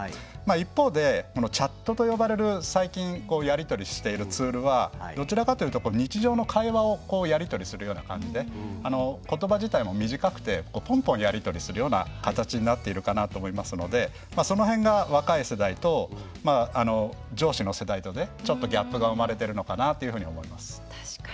一方でチャットと呼ばれる最近やり取りしているツールはどちらかというと日常の会話をやり取りするような感じで言葉自体も短くてポンポンやり取りするような形になっているかなと思いますのでその辺が若い世代と上司の世代とでちょっとギャップが生まれているのかなというふうに思います。